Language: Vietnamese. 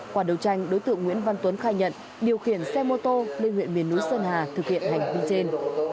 qua đấu tranh đối tượng nguyễn văn tuấn khai nhận điều khiển xe mô tô lên huyện miền núi sơn hà thực hiện hành vi trên